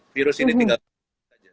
virus ini tinggal di rumah saja